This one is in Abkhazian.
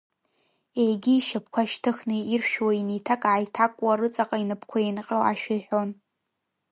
Егьи ишьапқәа шьҭыхны иршәуа, инеиҭак-ааиҭакуа рыҵаҟа инапқәа еинҟьо ашәа иҳәон…